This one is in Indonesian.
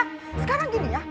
sekarang gini ya